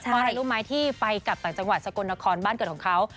ความรักลูกไม้ที่ไปกับต่างจังหวัดสกลนครบ้านเกิดของเค้า